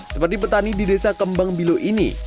seperti petani di desa kembang bilu ini